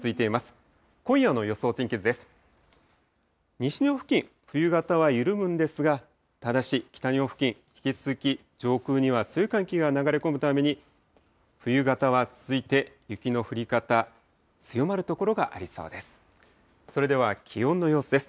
西日本付近、冬型は緩むんですが、ただし、北日本付近、引き続き上空には強い寒気が流れ込むために冬型は続いて、雪の降り方、強まる所がありそうです。